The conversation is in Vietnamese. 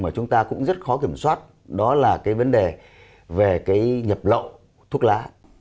mà chúng ta cũng rất khó kiểm soát đó là cái vấn đề về cái nhập lậu thuốc lá